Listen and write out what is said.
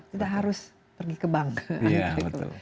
tidak harus pergi ke bank